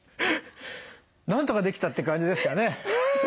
なんとかできたって感じですかね。